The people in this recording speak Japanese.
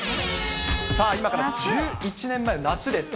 さあ、今から１１年前の夏です。